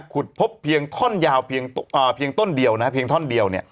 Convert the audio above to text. ขุดพบเพียงท่อนยาวเพียงต้นเดียวนะเพียงท่อนเดียว